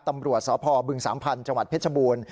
ตำรวจสพบึงสามพันธุ์จังหวัดเพชรบูรณ์